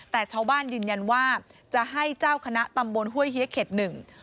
แต่ชาวบ้านยืนยันว่าจะให้เจ้าคณะตำบลห้วยเฮียเข็ดหนึ่ง